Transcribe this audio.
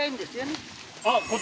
あっ